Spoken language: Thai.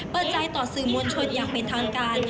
เปิดใจต่อสื่อมวลชนอย่างเป็นทางการ